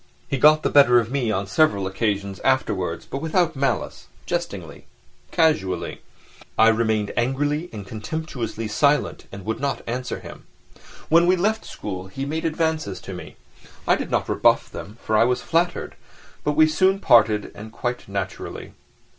He got the better of me on several occasions afterwards, but without malice, jestingly, casually. I remained angrily and contemptuously silent and would not answer him. When we left school he made advances to me; I did not rebuff them, for I was flattered, but we soon parted and quite naturally.